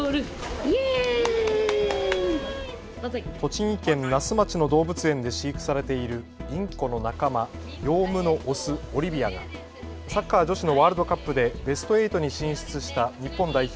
栃木県那須町の動物園で飼育されているインコの仲間、ヨウムのオス、オリビアがサッカー女子のワールドカップでベスト８に進出した日本代表